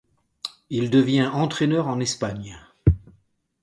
Il devient entraîneur en Espagne.